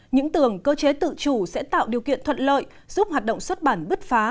những tường cơ chế tự chủ sẽ tạo điều kiện thuận lợi giúp hoạt động xuất bản bứt phá